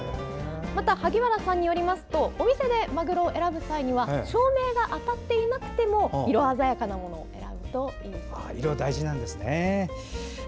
また、萩原さんによりますとお店でマグロを選ぶ際には照明が当たっていなくても色鮮やかなものを選ぶといいそうですよ。